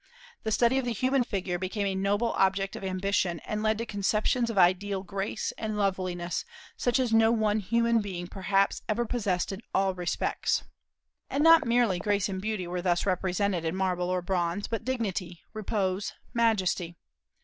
The study of the human figure became a noble object of ambition, and led to conceptions of ideal grace and loveliness such as no one human being perhaps ever possessed in all respects. And not merely grace and beauty were thus represented in marble or bronze, but dignity, repose, majesty.